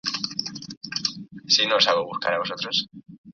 Montreal-Ouest tiene una escuela secundaria anglófona, Royal West Academy.